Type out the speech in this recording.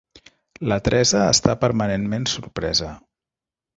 La Teresa està permanentment sorpresa.